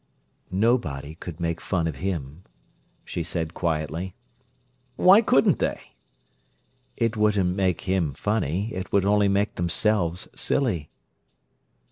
"Nobody could make fun of him," she said quietly. "Why couldn't they?" "It wouldn't make him funny: it would only make themselves silly."